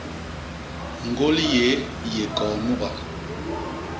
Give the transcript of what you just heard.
Ñgôli yéé i yé koo nuga.